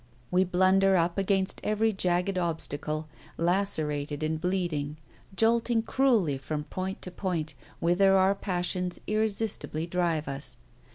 We blunder on against every jagged obstacle, lacerated and bleeding, jolting cruelly from point to point, whither our passions irresistibly drive us.